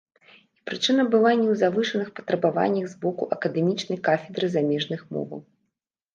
І прычына была не ў завышаных патрабаваннях з боку акадэмічнай кафедры замежных моваў.